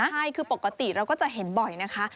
ใช่คือปกติเราก็จะเห็นบ่อยนะคะ